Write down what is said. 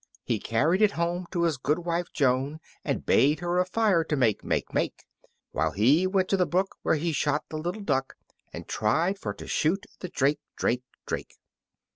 He carried it home to his good wife Joan, And bade her a fire to make, make, make, While he went to the brook where he shot the little duck, And tried for to shoot the drake, drake, drake.